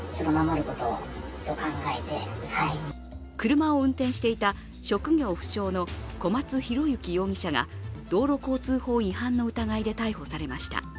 車を運転していた職業不詳の小松広行容疑者が道路交通法違反の疑いで逮捕されました。